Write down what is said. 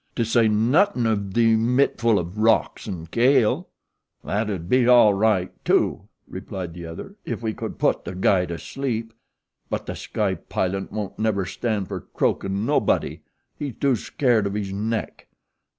To say nothin' of de mitful of rocks and kale." "That 'ud be all right, too," replied the other, "if we could put the guy to sleep; but The Sky Pilot won't never stand for croakin' nobody. He's too scared of his neck.